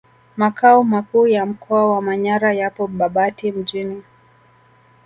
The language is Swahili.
Makao makuu ya mkoa wa Manyara yapo Babati Mjini